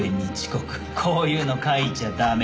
こういうの書いちゃ駄目。